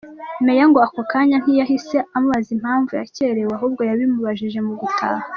Meya ngo ako kanya ntiyahise amubaza impamvu yakerewe ahubwo yabimubajije mu gutaha.